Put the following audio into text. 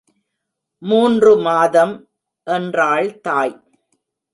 மூன்று மாதம் என்றாள் தாய்.